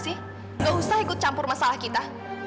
tidak usah ikut campur masalah kita